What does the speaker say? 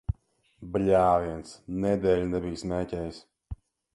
Bļāviens! Nedēļu nebiju smēķējis.